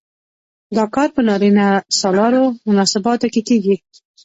دا کار په نارینه سالارو مناسباتو کې کیږي.